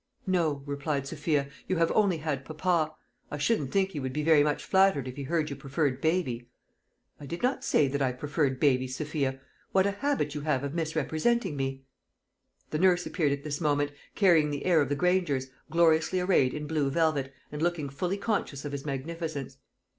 "No," replied Sophia, "you have only had papa. I shouldn't think he would be very much flattered if he heard you preferred baby." "I did not say that I preferred baby, Sophia. What a habit you have of misrepresenting me!" The nurse appeared at this moment, carrying the heir of the Grangers, gloriously arrayed in blue velvet, and looking fully conscious of his magnificence.